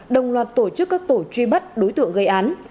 đồng loạt tổ chức các tổ truy bắt đối tượng gây án